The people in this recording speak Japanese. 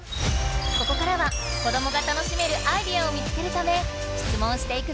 ここからは子どもが楽しめるアイデアを見つけるため質問していくぞ！